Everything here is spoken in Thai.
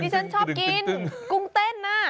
ฉันชอบกินกุ้งเต้นน่ะ